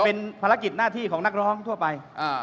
เป็นภารกิจหน้าที่ของนักร้องทั่วไป